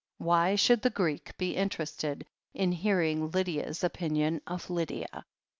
Why should the Greek be interested in hearing Lydia's opinion of Lydia?